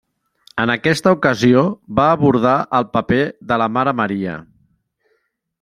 En aquesta ocasió va abordar el paper de la mare Maria.